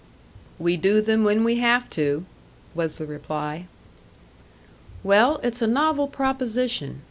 "We do them when we have to," was the reply. "Well, it's a novel proposition.